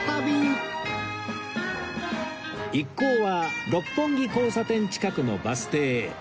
一行は六本木交差点近くのバス停へ